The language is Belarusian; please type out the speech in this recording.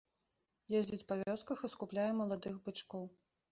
Ездзіць па вёсках і скупляе маладых бычкоў.